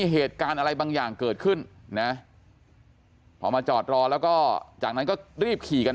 เหตุการณ์อะไรบางอย่างเกิดขึ้นนะพอมาจอดรอแล้วก็จากนั้นก็รีบขี่กัน